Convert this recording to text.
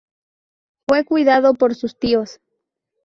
Fue cuidado por sus tíos.